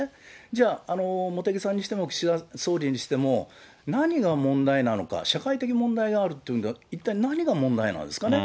じゃあ、茂木さんにしても岸田総理にしても、何が問題なのか、社会的問題があるっていうなら、一体何が問題なんですかね。